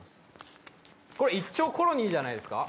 これ１兆コロニーじゃないですか？